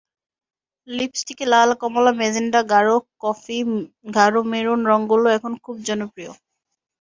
লিপস্টিকে লাল, কমলা, মেজেন্টা, গাঢ় কফি, গাঢ় মেরুন রংগুলো এখন খুব জনপ্রিয়।